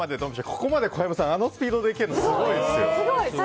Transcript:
ここまで小籔さんあのスピードで行けるのすごいですよ。